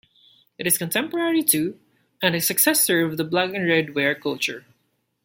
It is contemporary to, and a successor of the Black and red ware culture.